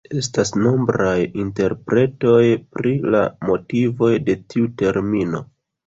Estas nombraj interpretoj pri la motivoj de tiu termino.